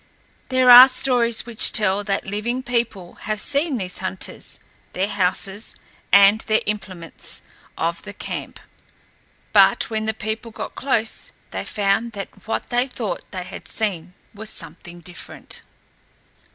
There are stories which tell that living people have seen these hunters, their houses, and their implements of the camp, but when the people got close they found that what they thought they had seen was something different.